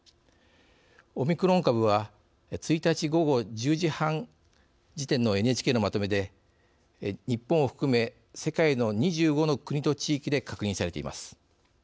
オミクロン株は１日午後１０時半時点のＮＨＫのまとめで日本を含め世界の２５の国と地域で確認されています。